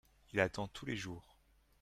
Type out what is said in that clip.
il attend tous les jours.